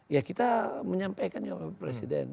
ya kita menyampaikan ya pak presiden